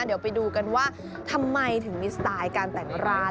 เดี๋ยวไปดูกันว่าทำไมถึงมีสไตล์การแต่งร้าน